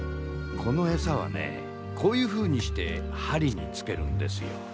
このエサはねこういうふうにして針につけるんですよ。